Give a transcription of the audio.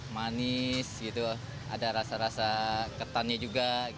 manis gitu ada rasa rasa ketannya juga